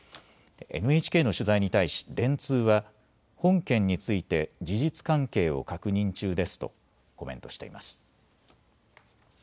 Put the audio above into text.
ＮＨＫの取材に対し、電通は本件について事実関係を確認中ですとコメントしています。